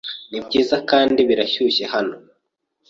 Nibyiza kandi birashyushye hano.